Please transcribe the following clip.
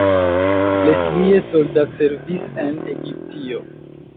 Leslie soldatservis en Egiptio.